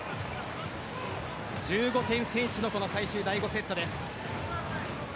１５点先取のこの最終第５セットです。